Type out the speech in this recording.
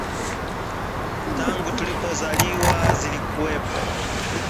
Tangu tulipo zaliwa zilikuwepo